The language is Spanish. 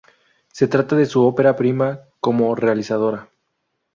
Se trata de su ópera prima como realizadora.